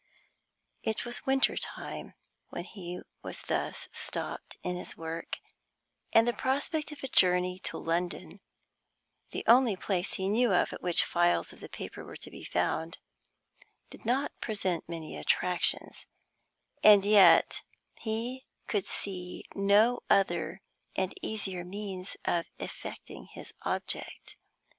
It was winter time when he was thus stopped in his work, and the prospect of a journey to London (the only place he knew of at which files of the paper were to be found) did not present many attractions; and yet he could see no other and easier means of effecting his object.